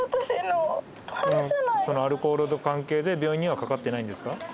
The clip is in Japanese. そのアルコールの関係で病院にはかかってないんですか？